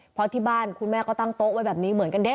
เพราะที่บ้านคุณแม่ก็ตั้งโต๊ะไว้แบบนี้เหมือนกันเด๊